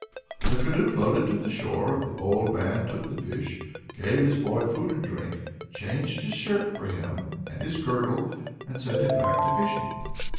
The canoe floated to the shore. The old man took the fish, gave his boy food and drink, changed his shirt for him and his girdle, and sent him back to his fishing.